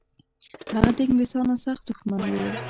هغه د انګلیسانو سخت دښمن و.